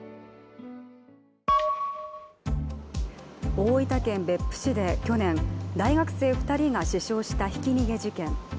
大分県別府市で去年、大学生２人が死傷したひき逃げ事件。